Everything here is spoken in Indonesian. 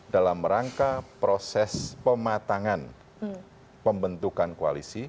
dalam rangka proses pematangan pembentukan koalisi